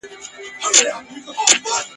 د پسرلي په شنه بګړۍ کي انارګل نه یمه !.